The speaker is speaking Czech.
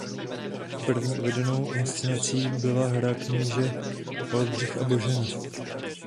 První uvedenou inscenací byla hra Kníže Oldřich a Božena.